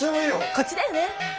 こっちだよねうん。